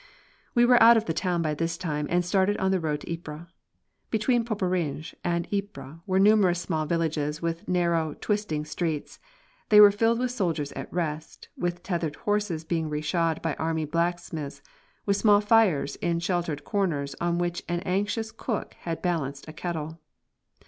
We were out of the town by this time, and started on the road to Ypres. Between Poperinghe and Ypres were numerous small villages with narrow, twisting streets. They were filled with soldiers at rest, with tethered horses being re shod by army blacksmiths, with small fires in sheltered corners on which an anxious cook had balanced a kettle.